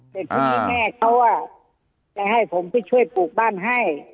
อ๋อแต่คุณแม่เขาอ่ะจะให้ผมไปช่วยปลูกบ้านให้